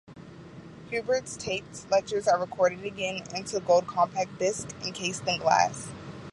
Hubbard's taped lectures are recorded again into gold compact discs encased in glass.